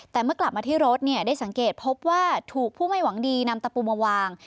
แต่เมื่อกลับมาที่รถเนี่ยได้สังเกตพบว่าถูกผู้ไม่หวังดีนำตะปูมาวาง